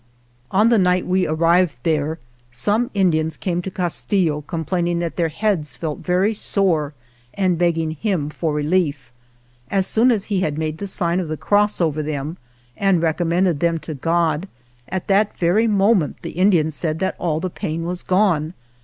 ON the night we arrived there some Indians came to Castillo complain ing that their heads felt very sore and begging him for relief. As soon as he had made the sign of the cross over them and recommended them to God, at that very moment the Indians said that all the pain was gone.